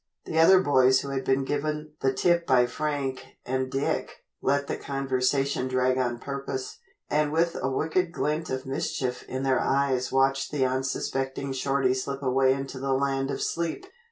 The other boys who had been given the tip by Frank and Dick, let the conversation drag on purpose, and with a wicked glint of mischief in their eyes watched the unsuspecting Shorty slip away into the land of sleep.